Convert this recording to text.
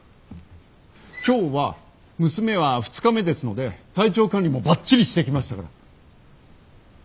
今日は娘は２日目ですので体調管理もばっちりしてきましたから！